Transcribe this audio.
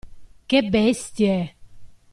Che bestie!